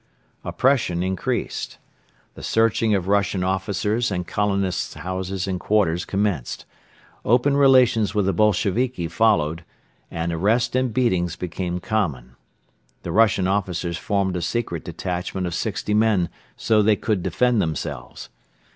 Oppression increased. The searching of Russian officers' and colonists' houses and quarters commenced, open relations with the Bolsheviki followed and arrest and beatings became common. The Russian officers formed a secret detachment of sixty men so that they could defend themselves.